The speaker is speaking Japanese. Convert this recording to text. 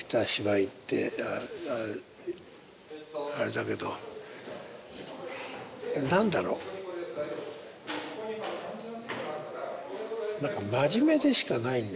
あれだけど何だろう何かああ